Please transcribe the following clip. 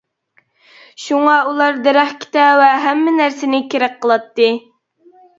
شۇڭا ئۇلار دەرەخكە تەۋە ھەممە نەرسىنى كېرەك قىلاتتى.